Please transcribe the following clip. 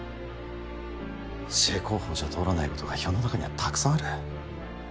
正攻法じゃ通らないことが世の中にはたくさんある。